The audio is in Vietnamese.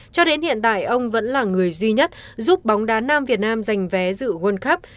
cho đến hiện tại ông vẫn là người duy nhất giúp bóng đá nam việt nam giành vé dự world cup